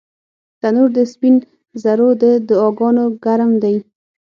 تنور د سپین زرو د دعاګانو ګرم دی